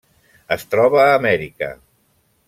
Es troba a Amèrica.